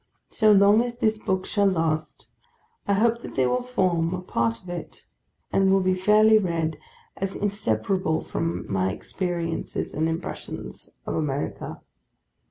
So long as this book shall last, I hope that they will form a part of it, and will be fairly read as inseparable from my experiences and impressions of America.